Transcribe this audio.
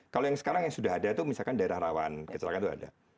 kalau yang sekarang yang sudah ada itu misalkan daerah rawan kecelakaan itu ada